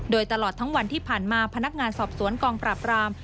โดยตลอดทั้งวันที่ผ่านมาพนักงานสอบสวนกองปราบราม